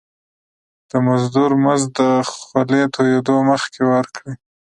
د مزدور مزد د خولي د تويدو مخکي ورکړی.